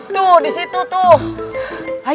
tuh di situ tuh